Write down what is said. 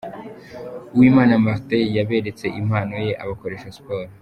Uwimana Martin yaberetse impano ye abakoresha siporo.